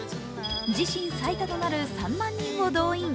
自身最多となる３万人を動員。